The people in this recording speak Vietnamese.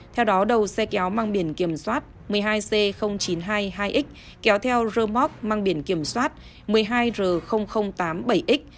theo đó đầu xe kéo mang biển kiểm soát một mươi hai c chín trăm hai mươi hai x kéo theo rơ móc mang biển kiểm soát một mươi hai r tám mươi bảy x